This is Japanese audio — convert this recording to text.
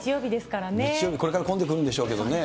日曜日、これから混んでくるんでしょうけどね。